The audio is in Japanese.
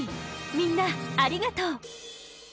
みんなありがとう！